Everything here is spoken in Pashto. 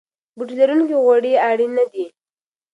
بوټي لرونکي غوړي اړین نه دي.